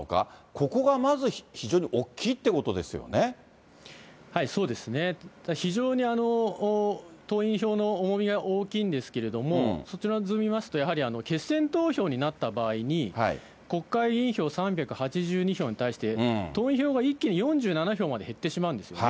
ここがまず非常に大きいっていうそうですね、非常に党員票の重みが大きいんですけれども、そちらの図を見ますと、やはり決選投票になった場合に、国会議員票３８２票に対して、党員票が一気に４７票まで減ってしまうんですよね。